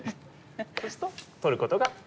そうすると取ることができる。